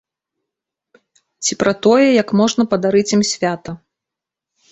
Ці пра тое, як можна падарыць ім свята?